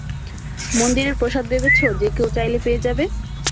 মন্দিরের প্রসাদ ভেবেছ যেকেউ চাইলে পেয়ে যাবে?